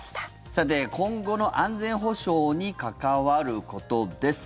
さて、今後の安全保障に関わることです。